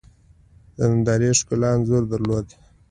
د نندارې ښکلا انځور درلود.